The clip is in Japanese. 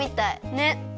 ねっ。